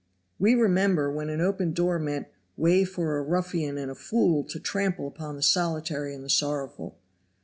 We remember when an open door meant "way for a ruffian and a fool to trample upon the solitary and sorrowful!"